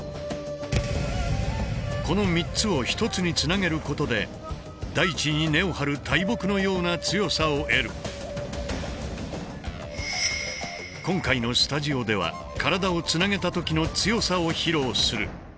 この３つをひとつにつなげることで今回のスタジオでは体をつなげた時の強さを披露する。